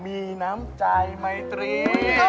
มีน้ำใจไมตรี